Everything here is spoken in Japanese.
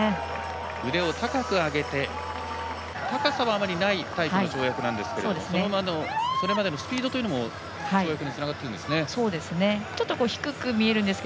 腕を高く上げて高さはあまりないタイプの跳躍ですがそれまでのスピードというのも跳躍につながってくるんですね。